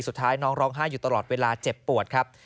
สุดท้ายน้องร้องไห้อยู่ตลอดเวลาเจ็บปวดครับ